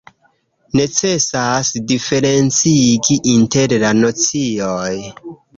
Necesas diferencigi inter la nocioj.